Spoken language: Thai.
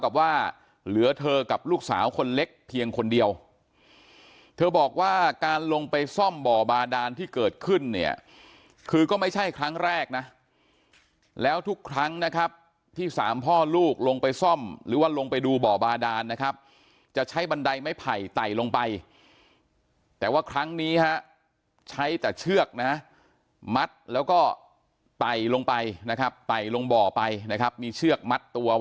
เครื่องช่วยหายใจในที่อับอากาศเนี่ยยังหายใจแทบไม่ทันอ่ะ